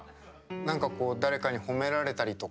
何かこう誰かに褒められたりとか。